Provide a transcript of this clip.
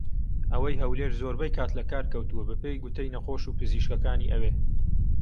ئەوەی هەولێر زۆربەی کات لە کار کەوتووە بە پێی گوتەی نەخۆش و پزیشکانی ئەوێ